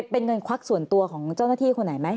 เป็นเงินควักส่วนตัวของเจ้าหน้าที่คนไหนไหม